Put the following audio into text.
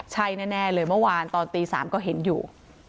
ใช่แน่เลยเมื่อวานตอนตี๓ก็เห็นอยู่